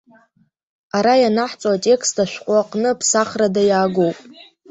Ара ианаҳҵо атекст ашәҟәы аҟны ԥсахрада иаагоуп.